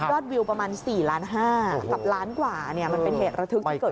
รอดวิวประมาณ๔๕ล้านกว่ามันเป็นเหตุระทึกที่เกิดขึ้น